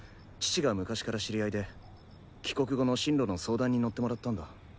父が昔から知り合いで帰国後の進路の相談に乗ってもらったんだ。